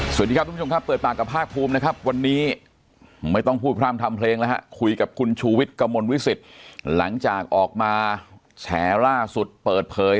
สวัสดีครับทุกผู้ชมครับเปิดปากกับภาคภูมินะครับวันนี้ไม่ต้องพูดพร่ำทำเพลงแล้วฮะคุยกับคุณชูวิทย์กระมวลวิสิตหลังจากออกมาแฉล่าสุดเปิดเผย